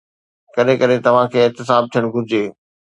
ڪڏهن ڪڏهن توهان کي احتساب ٿيڻ گهرجي.